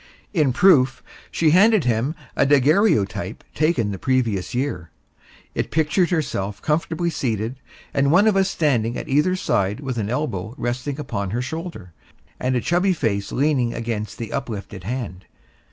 In proof, she handed him a daguerreotype taken the previous year. It pictured herself comfortably seated, and one of us standing at either side with an elbow resting upon her shoulder, and a chubby face leaning against the uplifted hand.